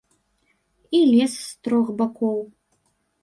І лес з трох бакоў.